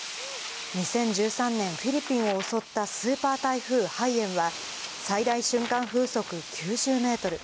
２０１３年、フィリピンを襲ったスーパー台風・ハイエンは最大瞬間風速９０メートル。